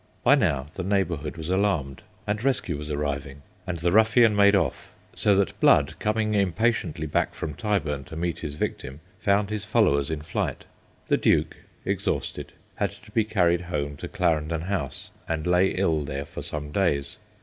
By now the neighbourhood was alarmed, and rescue was arriving, and the ruffian made off, so that Blood coming impatiently back from Tyburn to meet his victim, found his followers in flight. The Duke, exhausted, had to be carried home to Clarendon House, and lay ill there for some days.